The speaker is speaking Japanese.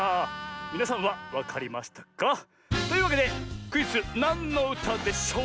みなさんはわかりましたか？というわけでクイズ「なんのうたでしょう」